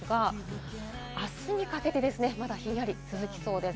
明日にかけてですね、まだひんやり続きそうです。